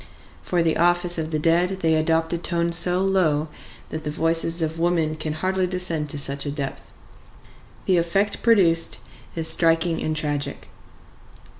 For the office of the dead they adopt a tone so low that the voices of women can hardly descend to such a depth. The effect produced is striking and tragic.